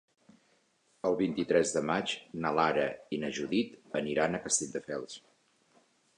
El vint-i-tres de maig na Lara i na Judit aniran a Castelldefels.